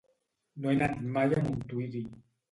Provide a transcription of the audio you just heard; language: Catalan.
No he anat mai a Montuïri.